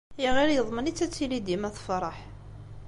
Iɣil yeḍmen-itt ad tili dima tefṛeḥ.